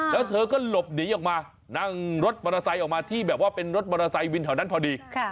แล้วเธอก็หลบหนีออกมานั่งรถมอเตอร์ไซค์ออกมาที่แบบว่าเป็นรถมอเตอร์ไซค์วินแถวนั้นพอดี